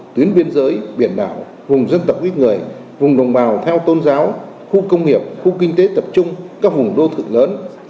tuyến biên giới biển đảo vùng dân tập quýt người vùng đồng bào theo tôn giáo khu công nghiệp khu kinh tế tập trung các vùng đô thự lớn